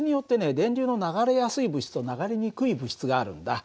電流の流れやすい物質と流れにくい物質があるんだ。